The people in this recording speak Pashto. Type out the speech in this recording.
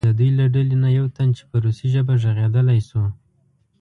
د دوی له ډلې نه یو تن چې په روسي ژبه غږېدلی شو.